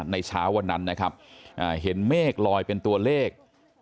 ในเช้าวันนั้นนะครับเห็นเมฆลอยเป็นตัวเลข